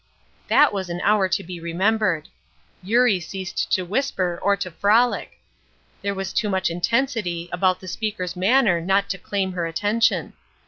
That was an hour to be remembered. Eurie ceased to whisper or to frolic; there was too much intensity, about the speaker's manner not to claim her attention.